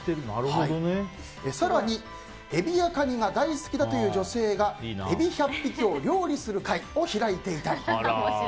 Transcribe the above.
更に、エビやカニが大好きだという女性がエビ１００匹を料理する会を開いていたり。